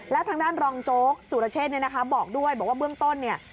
และทางด้านรองโจ๊กสุรเชษฐ์บอกด้วยบอกว่าเบื้องต้น